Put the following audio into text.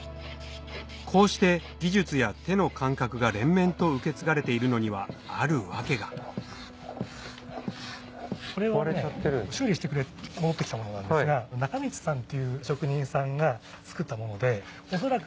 こうして技術や手の感覚が連綿と受け継がれているのにはある訳がこれは修理してくれって戻って来たものなんですが中道さんという職人さんが作ったもので。